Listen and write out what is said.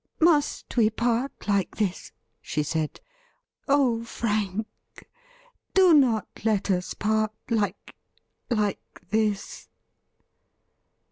' Must we part like this ? she said. ' Oh, Frank ! do not let us part like — ^like this.'